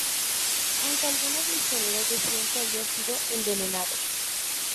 Aunque algunos misioneros decían que había sido envenenado.